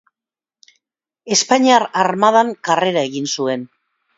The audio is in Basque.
Espainiar armadan karrera egin zuen.